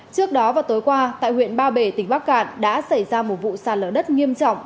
trước đó vào tối qua tại huyện ba bể tỉnh bắc cạn đã xảy ra một vụ sàn lở đất nghiêm trọng